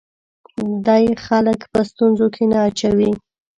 دی خلک په ستونزو کې نه اچوي.